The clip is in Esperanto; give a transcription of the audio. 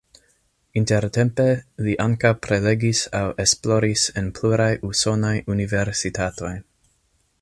Intertempe li ankaŭ prelegis aŭ esploris en pluraj usonaj universitatoj.